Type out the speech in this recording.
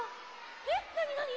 えっなになに？